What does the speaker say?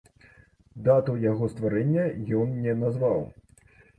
Дату яго стварэння ён не назваў.